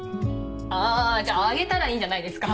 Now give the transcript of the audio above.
あじゃああげたらいいんじゃないですか。